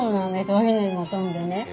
おひねりも飛んでね。